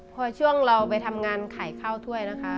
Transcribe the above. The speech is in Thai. พอช่วงเราไปทำงานขายข้าวถ้วยนะคะ